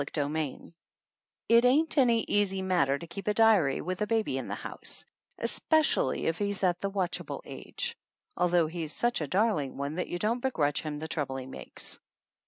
178 CHAPTER X IT ain't any easy matter to keep a diary with a baby in the house, especially if he's at the watchable age, although he's such a darling one that you don't begrudge him the trouble he makes.